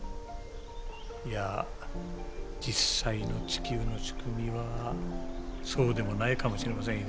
いや実際の地球の仕組みはそうでもないかもしれませんよ。